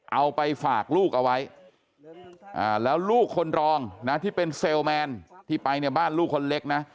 เอาไปฝากลูกเอาไว้แล้วลูกคนรองนะที่เป็นเซลแมนที่ไปเนี่ยบ้านลูกคนเล็กนะ